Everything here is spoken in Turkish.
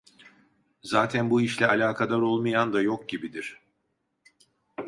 Zaten bu işle alakadar olmayan da yok gibidir.